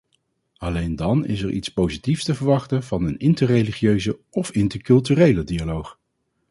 Alleen dan is er iets positiefs te verwachten van een interreligieuze of interculturele dialoog.